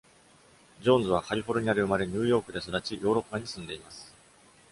ジョーンズは、カリフォルニアで生まれニューヨークで育ち、ヨーロッパに住んでいます。